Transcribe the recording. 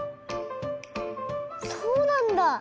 そうなんだ！